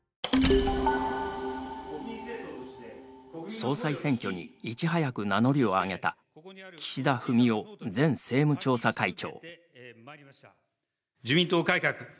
総裁選挙にいち早く名乗りを上げた岸田文雄前政務調査会長。